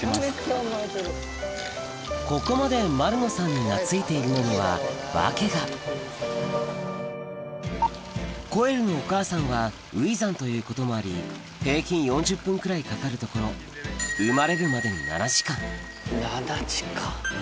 ここまで丸野さんに懐いているのには訳がコエルのお母さんは初産ということもあり平均４０分くらいかかるところ生まれるまでに７時間７時間！